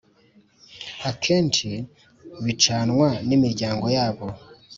akenshi bicanwa n ‘imiryango yabo.